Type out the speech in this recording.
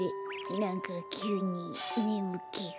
なんかきゅうにねむけが。